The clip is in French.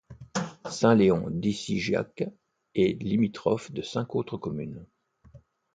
Saint-Léon-d'Issigeac est limitrophe de cinq autres communes.